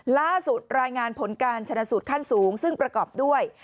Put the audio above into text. ล่าสุดรายงานผลการชนะสูตรขั้นสูงซึ่งประกอบด้วย